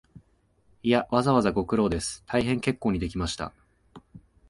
いや、わざわざご苦労です、大変結構にできました